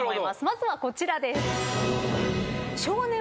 まずはこちらです。